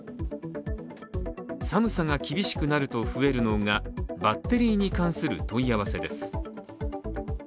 寒さが厳しくなると増えるのがバッテリーに関する問い合わせです。